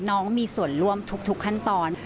น้องมีส่วนร่วมทุกขั้นตอน